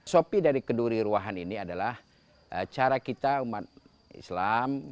sopi dari keduri ruahan ini adalah cara kita umat islam